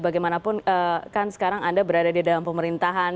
bagaimanapun kan sekarang anda berada di dalam pemerintahan